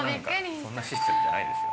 そんなシステムじゃないでしょ。